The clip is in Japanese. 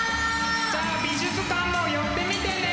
じゃあ美術館も寄ってみてね！